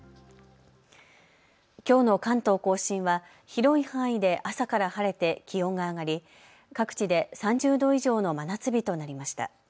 きょうの関東甲信は広い範囲で朝から晴れて気温が上がり各地で３０度以上の真夏日となりました。